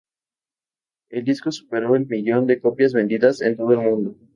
El disco superó el millón de copias vendidas en todo el mundo.